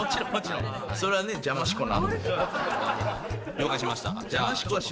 了解しました。